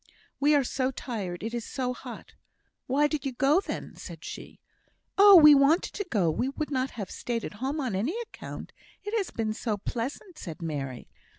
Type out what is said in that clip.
We are so tired. It is so hot." "Why did you go, then?" said she. "Oh! we wanted to go. We would not have stayed at home on any account. It has been so pleasant," said Mary.